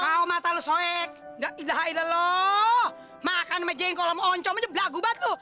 kau mata lu soek dah ilah ilah lo makan sama jengkolam oncomnya belagu banget lo